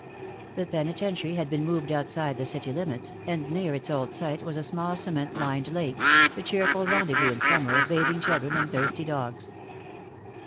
The penitentiary had been moved outside the city limits, and near its old site was a small cement lined lake, the cheerful rendezvous in summer of bathing children and thirsty dogs.